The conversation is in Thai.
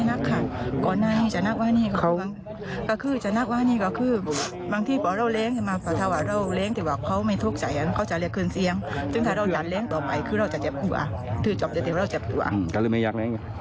นักไหมครับ